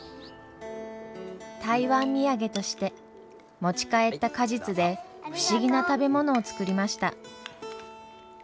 台湾土産として持ち帰った果実で不思議な食べ物を作りました。